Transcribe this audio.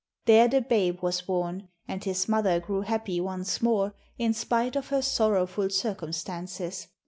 There the babe was born, and his mother grew happy once more, in spite of her sorrowful circumstances.